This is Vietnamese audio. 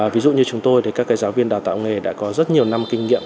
ví dụ như chúng tôi thì các giáo viên đào tạo nghề đã có rất nhiều năm kinh nghiệm